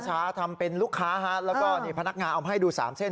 ทำเป็นลูกค้าฮะแล้วก็นี่พนักงานเอามาให้ดูสามเส้น